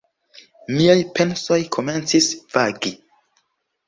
Miaj pensoj komencis vagi.